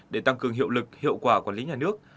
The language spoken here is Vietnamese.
để tăng cường hiệu lực hiệu quả quản lý nhà nước